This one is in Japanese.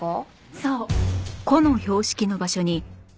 そう。